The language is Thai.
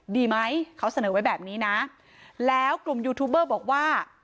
ดีไหมเขาเสนอไว้แบบนี้นะแล้วกลุ่มยูทูบเบอร์บอกว่า